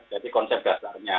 jadi konsep dasarnya